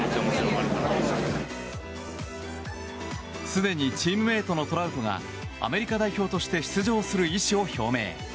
すでにチームメートのトラウトがアメリカ代表として出場する意思を表明。